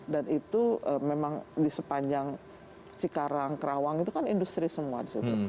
dan itu memang di sepanjang cikarang kerawang itu kan industri semua di situ